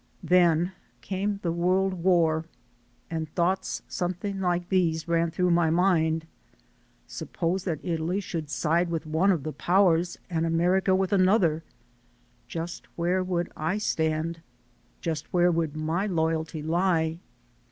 Then came the World War and thoughts some thing like these ran through my mind. Suppose that Italy should side with one of the powers and America with another, just where would I stand, just where would my loyalty lie?